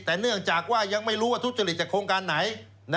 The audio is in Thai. แต่เนื่องจากว่ายังไม่รู้ว่าทุจริตจากโครงการไหน